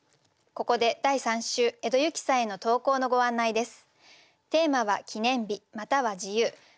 ここで第３週江戸雪さんへの投稿のご案内です。